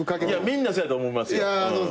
みんなそうやと思いますよ。